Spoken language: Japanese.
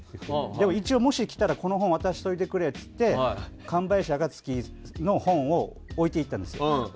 でも一応、もし来たらこの本を渡しておいてくれって上林暁の本を置いていったんですよ。